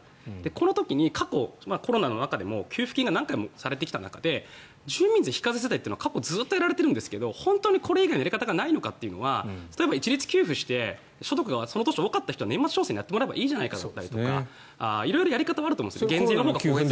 この中で、過去コロナでも給付金が何回もされてきた中で住民税非課税世帯というのは過去ずっとやられているんですけど本当にこれ以外のやり方はないのかというのは例えば一律給付して所得がその年多かった人は年末調整でやってもらったりとか色々方法はあるわけです。